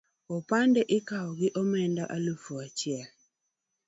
Opande ikawo gi omenda alufu achiel